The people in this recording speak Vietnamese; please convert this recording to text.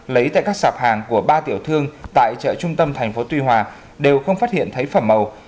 lấy tại các sạp hàng của ba tiểu thương tại chợ trung tâm thành phố tuy hòa đều không phát hiện thấy phẩm màu